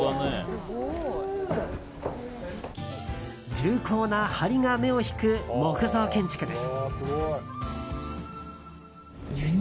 重厚な梁が目を引く木造建築です。